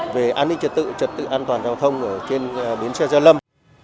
về an ninh trật tự trật tự an toàn giao thông trên bến xe gia lâm